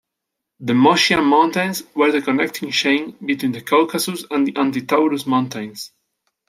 The Moschian Mountains were the connecting chain between the Caucasus and Anti-Taurus Mountains.